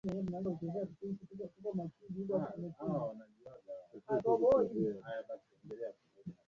Spinosam ndio inayoota katika vijiji vingi kisiwani humo